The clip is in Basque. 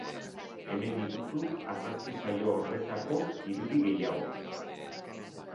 Hemen dituzu argazki-saio horretako irudi gehiago.